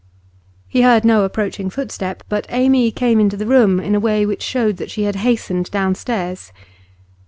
He heard no approaching footstep but Amy came into the room in a way which showed that she had hastened downstairs.